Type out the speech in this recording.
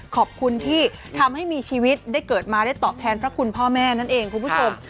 ขอบคุณที่ทำให้มีชีวิตได้เกิดมาได้ตอบแทนพระคุณพ่อแม่นั่นเองคุณผู้ชม